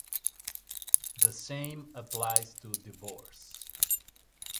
The same applies to divorce.